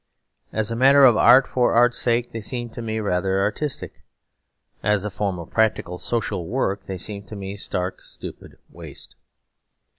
As a matter of art for art's sake, they seem to me rather artistic. As a form of practical social work they seem to me stark stupid waste.